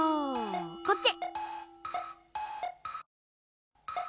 こっち！